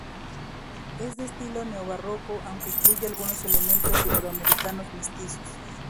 Es de estilo neobarroco aunque incluye algunos elementos iberoamericanos y mestizos.